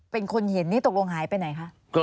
เป็นคนเห็นนี่ตกลงหายไปไหนคะ